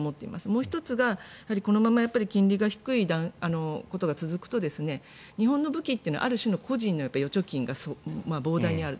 もう１つはこのまま金利が低いことが続くと日本の武器というのはある種の個人の預貯金が膨大にある。